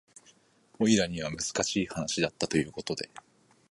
オイラには難しい話だったということで